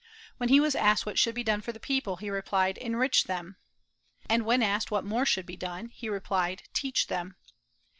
When he was asked what should be done for the people, he replied, "Enrich them;" and when asked what more should be done, he replied, "Teach them."